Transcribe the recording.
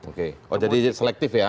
oke oh jadi selektif ya